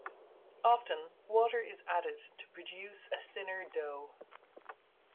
Often, water is added to produce a thinner dough.